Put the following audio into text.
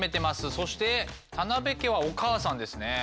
そして店部家はお母さんですね。